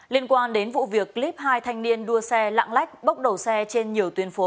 liên quan đến vụ việc clip hai thanh niên đua xe lạng lách bốc đầu xe trên nhiều tuyến phố